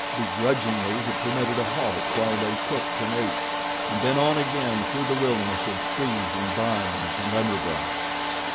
Begrudgingly he permitted a halt while they cooked and ate, and then on again through the wilderness of trees and vines and underbrush.